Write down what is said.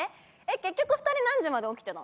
結局２人何時まで起きてたの？